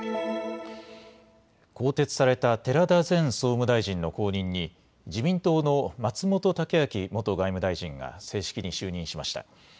更迭された寺田前総務大臣の後任に自民党の松本剛明元外務大臣が正式に就任しました。